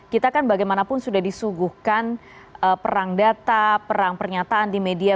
kita kan bagaimanapun sudah disuguhkan perang data perang pernyataan di media